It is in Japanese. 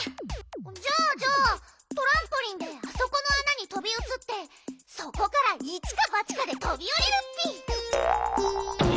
じゃあじゃあトランポリンであそこのあなにとびうつってそこから一か八かでとびおりるッピ。